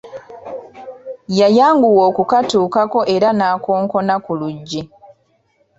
Yayanguwa okukatukako era n'akonkona ku luggi.